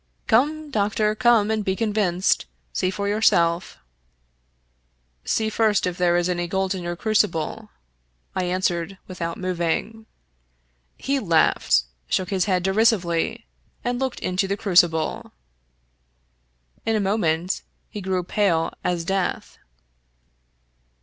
" Come, doctor, come and be convinced. See for yourself." " See first if there is any gold in your crucible," I an swered, without moving. He laughed, shook his head derisively, and looked into the crucible. In a moment he grew pale as death.